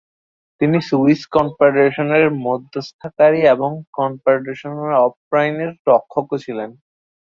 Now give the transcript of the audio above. তিনি সুইস কনফেডারেশনের মধ্যস্থাকারী এবং কনফেডারেশন অফ রাইনের রক্ষকও ছিলেন।